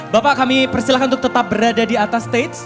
bapak kami persilahkan untuk tetap berada di atas states